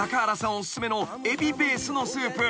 お薦めのエビベースのスープ］